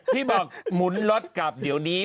ที่บอกหมุนรถกลับเดี๋ยวนี้